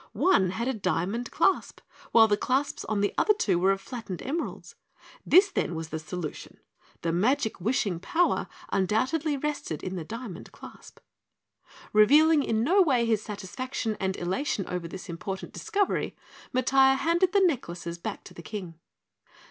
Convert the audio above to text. One had a diamond clasp, while the clasps on the other two were of flattened emeralds. This, then, was the solution. The magic wishing power undoubtedly rested in the diamond clasp. Revealing in no way his satisfaction and elation over this important discovery, Matiah handed the necklaces back to the King.